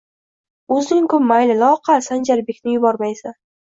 O‘zing-ku, mayli, loaqal Sanjarbekni yubormaysan